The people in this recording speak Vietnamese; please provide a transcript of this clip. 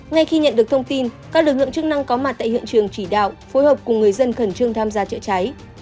ngay khi nhận được thông tin các lực lượng chức năng có mặt tại hiện trường chỉ đạo phối hợp cùng người dân khẩn trương tham gia chữa cháy